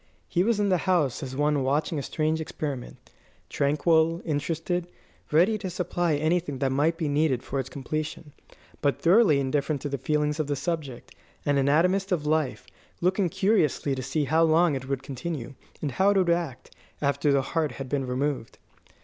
He was in the house as one watching a strange experiment tranquil, interested, ready to supply anything that might be needed for its completion, but thoroughly indifferent to the feelings of the subject; an anatomist of life, looking curiously to see how long it would continue, and how it would act, after the heart had been removed.